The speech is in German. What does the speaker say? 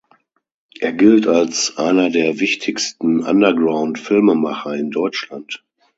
Er gilt als einer der wichtigsten "Underground-Filmemacher" in Deutschland.